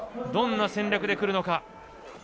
どんな戦略でくるのか。